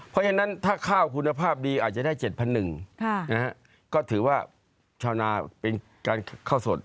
เพราะฉะนั้นถ้าข้าวคุณภาพดีอาจจะได้๗๑๐๐ก็ถือว่าชาวนาเป็นการข้าวสด